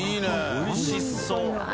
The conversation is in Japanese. おいしそう。